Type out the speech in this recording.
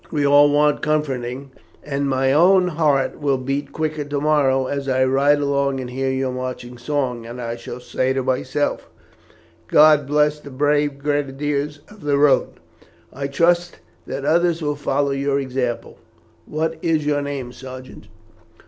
We all want comforting, and my own heart will beat quicker to morrow as I ride along and hear your marching song, and I shall say to myself, 'God bless the brave Grenadiers of the Rhone;' I trust that others will follow your example. What is your name, sergeant?"